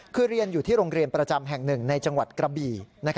คือเรียนอยู่ที่โรงเรียนประจำแห่งหนึ่งในจังหวัดกระบี่